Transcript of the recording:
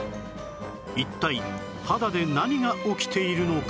一体肌で何が起きているのか？